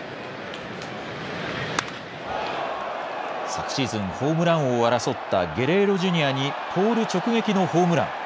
昨シーズン、ホームラン王を争ったゲレーロｊｒ．にポール直撃のホームラン。